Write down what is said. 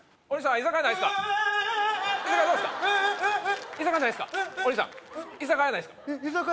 居酒屋ないすか？